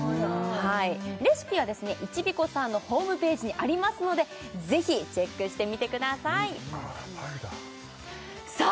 レシピはですねいちびこさんのホームページにありますのでぜひチェックしてみてくださいさあ